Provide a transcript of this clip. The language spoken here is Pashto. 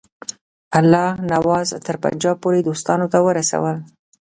الله نواز تر پنجاب پوري دوستانو ته ورسول.